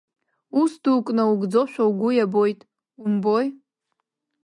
Ус дук наугӡозшәа угәы иабоит, умбои.